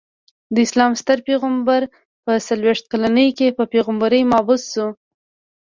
د اسلام ستر پيغمبر په څلويښت کلني کي په پيغمبری مبعوث سو.